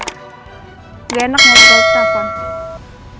gak enak ngomong baik baik pak